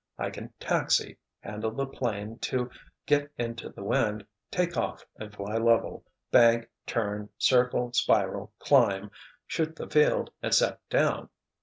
I can taxi, handle the 'plane to get into the wind, take off and fly level, bank, turn, circle, spiral, climb, shoot the field and set down.